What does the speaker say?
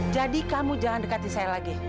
jadi kamu jangan dekati saya lagi